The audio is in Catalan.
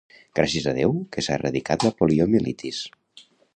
Gràcies a Déu que s'ha erradicat la poliomielitis.